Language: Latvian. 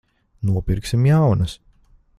Nopirksim jaunas.